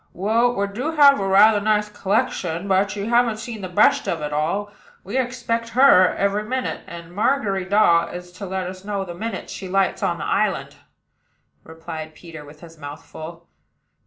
"Well, we do have rather a nice collection; but you haven't seen the best of all. We expect her every minute; and Margery Daw is to let us know the minute she lights on the island," replied Peter, with his mouth full.